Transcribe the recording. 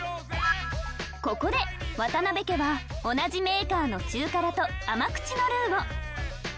ここで渡邉家は同じメーカーの中辛と甘口のルーを